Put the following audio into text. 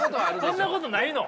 そんなことないの？